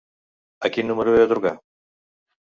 A quin número he de trucar?